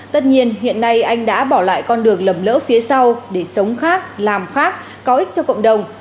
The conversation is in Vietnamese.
tất nhiên hiện nay anh đã bỏ lại con đường lầm lỡ phía sau để sống khác làm khác có ích cho cộng đồng